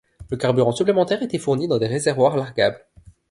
Le carburant supplémentaire était fourni dans des réservoirs largables.